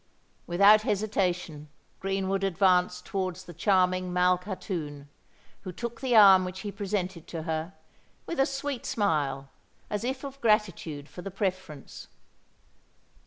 Without hesitation Greenwood advanced towards the charming Malkhatoun, who took the arm which he presented to her, with a sweet smile—as if of gratitude for the preference.